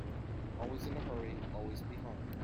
Always in a hurry, always behind.